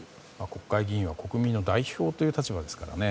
国会議員は国民の代表という立場ですからね。